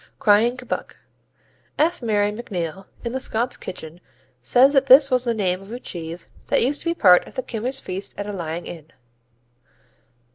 Crying Kebbuck F. Marion MacNeill, in The Scots Kitchen says that this was the name of a cheese that used to be part of the Kimmers feast at a lying in.